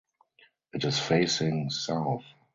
It is facing south.